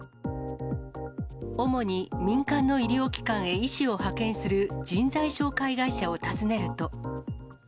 主に民間の医療機関へ医師を派遣する人材紹介会社を訪ねると。